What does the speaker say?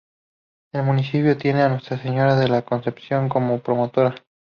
El Municipio tiene a Nuestra Señora de la Concepción como patrona.